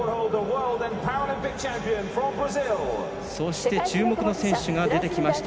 そして注目の選手が出てきました。